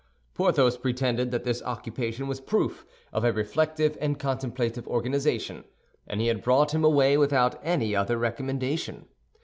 Porthos pretended that this occupation was proof of a reflective and contemplative organization, and he had brought him away without any other recommendation.